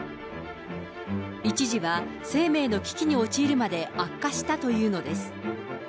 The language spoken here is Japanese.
一時は生命の危機に陥るまで悪化したというのです。